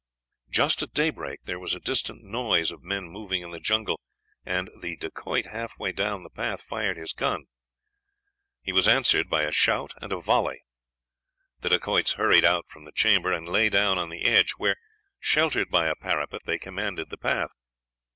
"Just at daybreak there was a distant noise of men moving in the jungle, and the Dacoit halfway down the path fired his gun. He was answered by a shout and a volley. The Dacoits hurried out from the chamber, and lay down on the edge, where, sheltered by a parapet, they commanded the path.